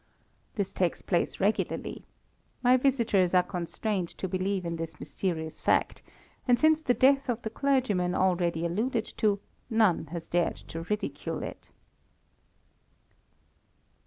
"This takes place regularly. My visitors are constrained to believe in this mysterious fact, and since the death of the clergyman already alluded to, none has dared to ridicule it."